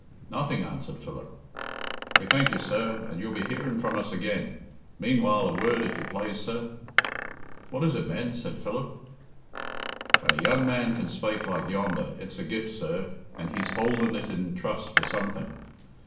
"Nothing," answered Philip. "We thank you, sir, and you'll be hearing from us again. Meanwhile, a word if you plaze, sir?" "What is it, men?" said Philip. "When a young man can spake like yonder, it's a gift, sir, and he's houlding it in trust for something.